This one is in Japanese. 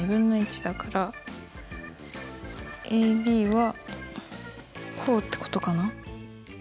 ＡＤはこうってことかな。